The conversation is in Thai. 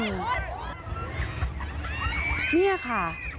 นี่ค่ะ